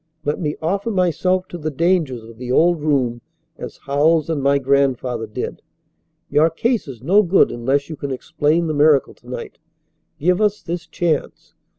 Let me offer myself to the dangers of the old room as Howells and my grandfather did. Your case is no good unless you can explain the miracle to night. Give us this chance.